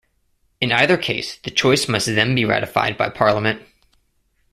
In either case, the choice must then be ratified by Parliament.